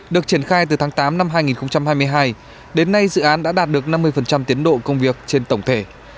được triển khai từ tháng tám năm hai nghìn hai mươi hai đến nay dự án đã đạt được năm mươi tiến độ công việc trên tổng thể